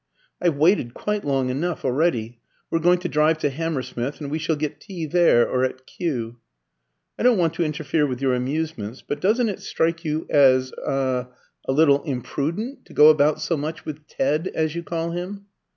"I've waited quite long enough already. We're going to drive to Hammersmith, and we shall get tea there or at Kew." "I don't want to interfere with your amusements, but doesn't it strike you as er a little imprudent to go about so much with 'Ted,' as you call him?"